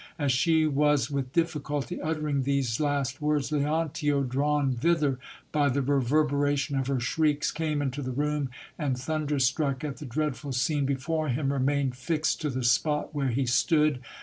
As she was with difficulty uttering these last words, Leontio, drawn thither by the reverberation of her shrieks, came into the room; and, thunderstruck at the dreadful scene before him, remained fixed to the spot where he stood.